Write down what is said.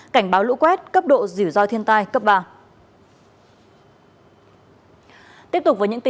cảnh báo lũ quét cấp độ dỉu roi thiên tai cấp ba